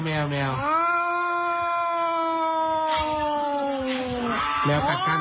แมวกัดกัน